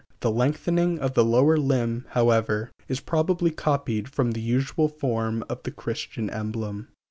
The lengthening of the lower limb, however, is probably copied from the usual form of the Christian emblem.